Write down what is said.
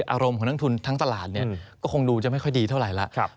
อารมณ์ของนักทุนทั้งตลาดก็คงดูจะไม่ค่อยดีเท่าไหร่แล้ว